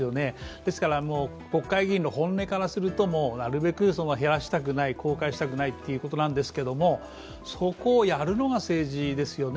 ですから国会議員の本音からすると、なるべく減らしたくない、公開したくないということなんですけれどもそこをやるのが政治ですよね。